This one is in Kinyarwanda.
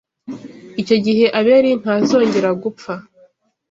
Icyo gihe Abeli ntazongera gupfa